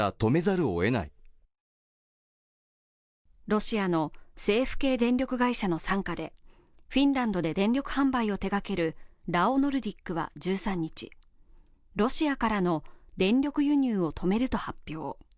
ロシアの政府系電力会社の傘下でフィンランドで電力販売を手がけるラオノルディックは１３日、ロシアからの電力輸入を止めると発表。